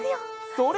それ！